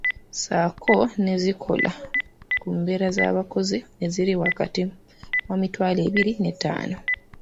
Sako n'ezikola ku mbeera z'abakozi eziri wakati wa emitwalo ebiri ne etaano.